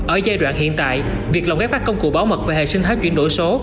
ở giai đoạn hiện tại việc lồng gác các công cụ báo mật về hệ sinh tháp chuyển đổi số